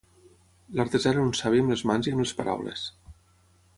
L'artesà era un savi amb les mans i amb les paraules.